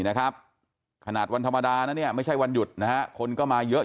นะครับขนาดวันธรรมดานะเนี่ยไม่ใช่วันหยุดนะฮะคนก็มาเยอะ